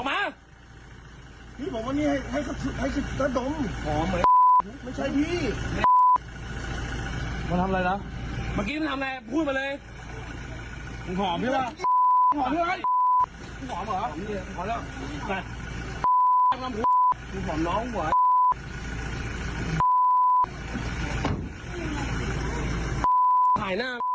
มึงขอบมี้วะ